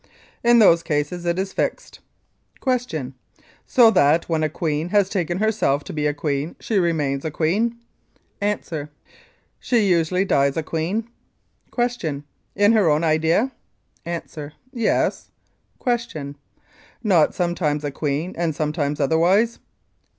In those cases it is fixed. Q. So that when a "queen" has taken herself to be a queen, she remains a queen? A. She usually dies a queen. Q. In her own idea? A. Yes. Q. Not sometimes a queen and sometimes otherwise?